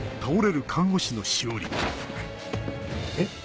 えっ？